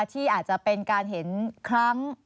ที่อาจจะเป็นการเห็นครั้ง